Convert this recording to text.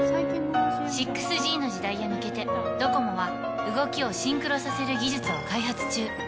６Ｇの時代へ向けて、ドコモは動きをシンクロさせる技術を開発中。